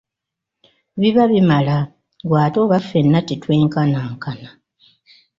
Biba bimala, ggwe ate oba ffenna tetwenkanankana.